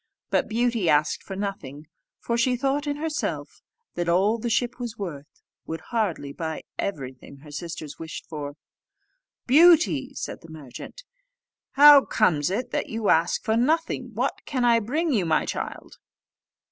But Beauty asked for nothing; for she thought in herself that all the ship was worth would hardly buy everything her sisters wished for. "Beauty," said the merchant, "how comes it that you ask for nothing: what can I bring you, my child?"